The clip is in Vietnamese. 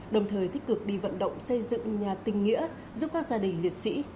đồng thời tích cực đi vận động xây dựng nhà tình nghĩa giúp các gia đình liệt sĩ